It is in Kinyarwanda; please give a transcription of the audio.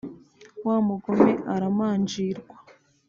wa mugome aramanjirwa